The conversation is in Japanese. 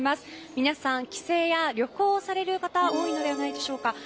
皆さん帰省や旅行をされる方が多いのではないでしょうか。